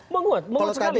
menguat menguat sekali